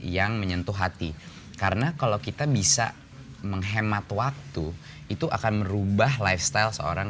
yang menyentuh hati karena kalau kita bisa menghemat waktu itu akan merubah lifestyle seorang